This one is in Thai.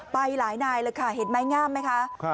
ไปหลายนายเลยค่ะเห็นไม้งามไหมคะ